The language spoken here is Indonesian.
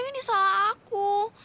ini salah aku